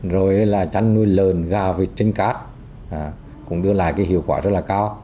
rồi là chăn nuôi lờn gà vịt trên cát cũng đưa lại hiệu quả rất là cao